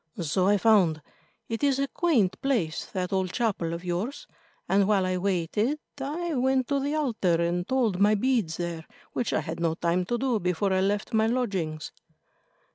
"So I found. It is a quaint place, that old chapel of yours, and while I waited I went to the altar and told my beads there, which I had no time to do before I left my lodgings."